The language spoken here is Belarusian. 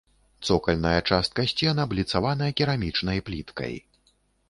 Цокальная частка сцен абліцавана керамічнай пліткай.